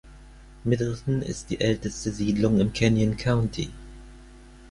Middleton ist die älteste Siedlung im Canyon County.